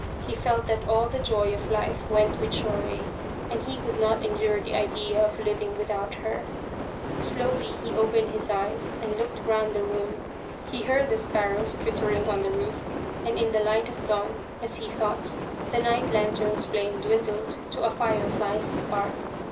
He felt that all the joy of life went with Shorei, and he could not endure the idea of living without her. Slowly he opened his eyes and looked round the roo: . He heard the sparrows twittering on the roof, and in the light of dawn, as he thought, the night lantern's flame dwindled to a fire fly's spark.